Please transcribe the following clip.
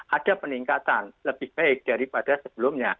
ada peningkatan lebih baik daripada sebelumnya